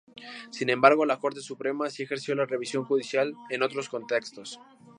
Sin embargo, la Corte Suprema sí ejerció la revisión judicial en otros contextos.